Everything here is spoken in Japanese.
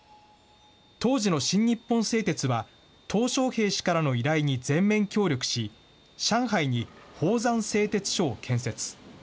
当時の新日本製鉄はとう小平氏からの依頼に全面協力し、上海に宝山製鉄所を建設。